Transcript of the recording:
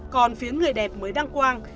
còn phía người đẹp mới đăng quang